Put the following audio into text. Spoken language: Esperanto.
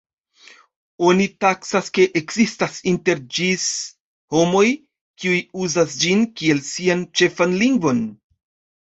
Oni taksas, ke ekzistas inter ĝis homoj, kiuj uzas ĝin kiel sian ĉefan lingvon.